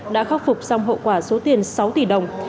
đã khắc phục xong hậu quả số tiền sáu tỷ đồng